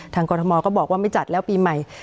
กรทมก็บอกว่าไม่จัดแล้วปีใหม่